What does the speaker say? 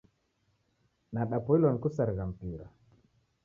Nadapoilwa ni kusarigha mpira.